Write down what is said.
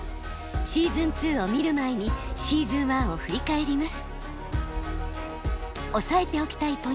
シーズン２を見る前にシーズン１を振り返ります。